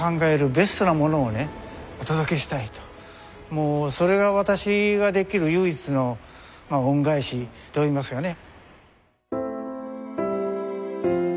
もうそれが私ができる唯一の恩返しといいますかね。